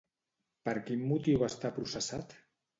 Per quin motiu està processat?